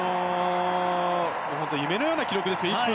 夢のような記録ですね。